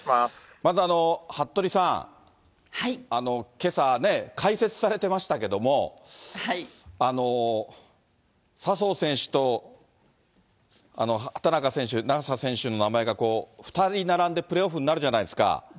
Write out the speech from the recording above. まず服部さん、けさ、解説されてましたけども、笹生選手と畑中選手、菜紗選手の名前が並んで、プレーオフになるじゃないですか。